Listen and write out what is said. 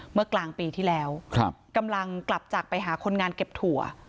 เมื่อกลางปีที่แล้วกำลังกลับจากไปหาคนงานเก็บถั่ว